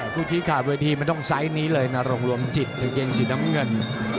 ชี้ขาดเวทีมันต้องไซส์นี้เลยนรงรวมจิตกางเกงสีน้ำเงิน